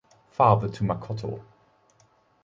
Father to Makoto.